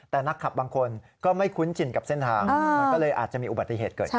แต่นักขับบางคนก็ไม่คุ้นชินกับเส้นทางมันก็เลยอาจจะมีอุบัติเหตุเกิดขึ้น